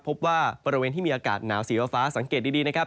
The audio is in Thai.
พบว่าบริเวณที่มีอากาศหนาวสีฟ้าสังเกตดีนะครับ